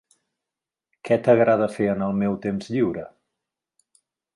Què t'agrada fer en el meu temps lliure?